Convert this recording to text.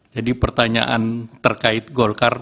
jadi pertanyaan terkait golkar